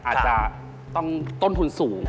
อาจจะต้นทุนสูง